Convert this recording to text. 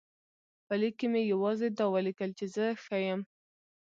په لیک کې مې یوازې دا ولیکل چې زه ښه یم.